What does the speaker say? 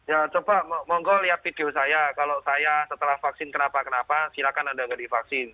ya coba monggo lihat video saya kalau saya setelah vaksin kenapa kenapa silahkan anda nggak divaksin